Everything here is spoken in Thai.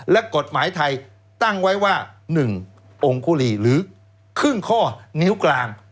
และกฎหมายไทยตั้งไว้ว่า๑องค์คุรีหรือครึ่งข้อนิ้วกลาง